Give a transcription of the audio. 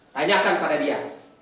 tanyakan pada dia